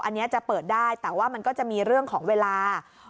อันนี้จะเปิดได้แต่ว่ามันก็จะมีเรื่องของเวลา